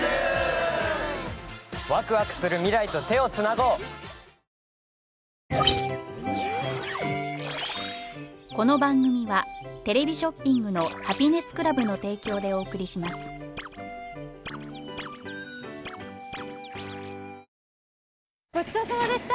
ごちそうさまでした。